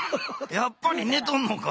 やっぱりねとんのか。